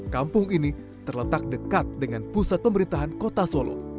kampung ini terletak dekat dengan pusat pemerintahan kota solo